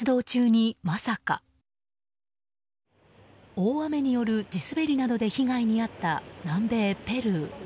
大雨による地滑りなどで被害に遭った南米ペルー。